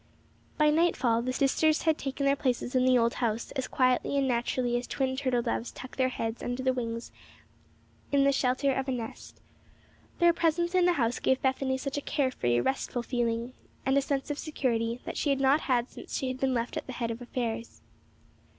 By nightfall the sisters had taken their places in the old house, as quietly and naturally as twin turtle doves tuck their heads under their wings in the shelter of a nest. Their presence in the house gave Bethany such a care free, restful feeling, and a sense of security that she had not had since she had been left at the head of affairs.